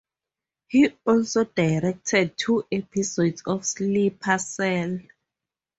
He also directed two episodes of "Sleeper Cell".